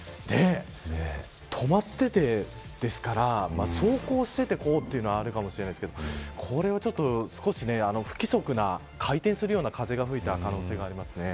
止まっていてですから走行しててこうなるのはあるかもしれませんが少し不規則な回転するような風が吹いた可能性があります。